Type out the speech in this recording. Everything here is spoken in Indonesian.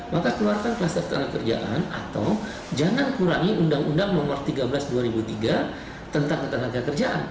maka keluarkan kluster ketanaga kerjaan atau jangan kurangi uu no tiga belas tahun dua ribu tiga tentang ketanaga kerjaan